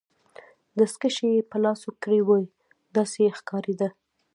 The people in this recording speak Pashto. دستکشې يې په لاسو کړي وې، داسې یې ښکاریده.